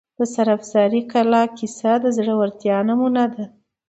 د سرافرازۍ قلعې کیسه د زړه ورتیا نمونه ده.